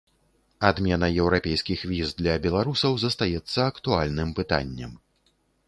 Адмена еўрапейскіх віз для беларусаў застаецца актуальным пытаннем.